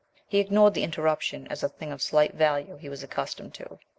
He ignored the interruption as a thing of slight value he was accustomed to.